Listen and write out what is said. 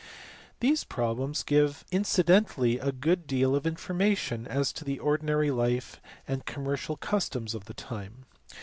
These problems give incidentally a good deal of information as to the ordinary life and commercial customs of the time.